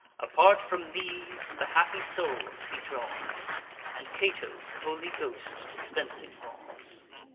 Apart from these, the happy souls he draws, And Cato's holy ghost dispensing laws.